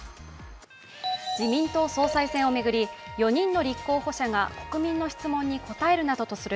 自民党総裁選を巡り４人の立候補者が国民の質問に答えるなどとする